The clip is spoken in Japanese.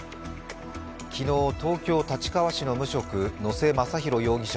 昨日、東京・立川市の無職野瀬雅大容疑者